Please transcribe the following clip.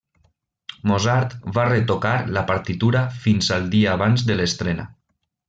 Mozart va retocar la partitura fins al dia abans de l'estrena.